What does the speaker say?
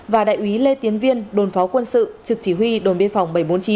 và đại úy lê tiến viên đồn phó quân sự trực chỉ huy đồn biên phòng bảy trăm bốn mươi chín